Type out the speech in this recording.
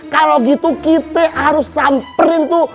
kalau gitu kita harus samperin tuh